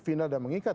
final dan mengikat